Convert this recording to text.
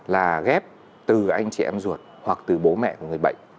là ghép từ anh chị em ruột hoặc từ bố mẹ của người bệnh